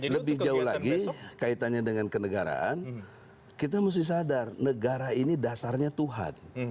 lebih jauh lagi kaitannya dengan kenegaraan kita mesti sadar negara ini dasarnya tuhan